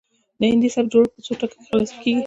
د هندي سبک جوړښت په څو ټکو کې خلاصه کیږي